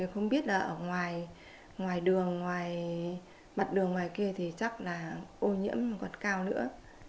không biết ở ngoài đường ngoài mặt đường ngoài kia thì chắc là ô nhiễm còn cao nữa